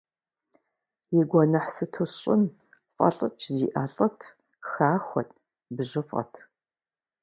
И гуэныхь сыту сщӏын, фӏэлӏыкӏ зиӏэ лӏыт, хахуэт, бжьыфӏэт.